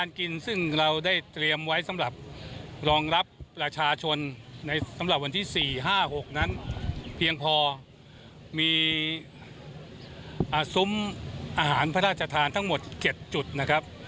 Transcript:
รองรับประชาชนในสำหรับวันที่๔๕๖นั้นเพียงพอมีอาซุ้มอาหารพระราชทานทั้งหมด๗จุดนะครับ